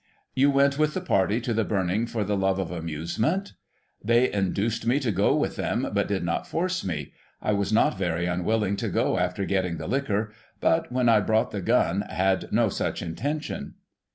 You went with the party to the burning for the love of amusement? — They induced me to go with them, but did not force me ; I was not very unwilling to go after getting the liquor; but, when I brought the gun, had no such intention.